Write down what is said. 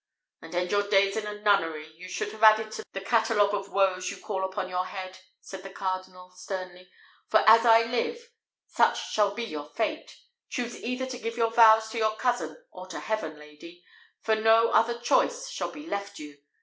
"And end your days in a nunnery, you should have added to the catalogue of woes you call upon your head," said the cardinal, sternly; "for, as I live, such shall be your fate. Choose either to give your vows to your cousin or to heaven, lady; for no other choice shall be left you.